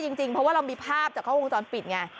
ใช่จริงเพราะว่าเรามีภาพจะเข้าโรงการปิดไง